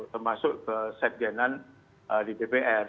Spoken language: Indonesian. termasuk ke sekjenan di dpr